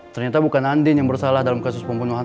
ternyata bukan andin yang bersalah dalam kasus pembunuhan